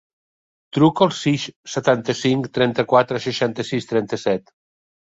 Truca al sis, setanta-cinc, trenta-quatre, seixanta-sis, trenta-set.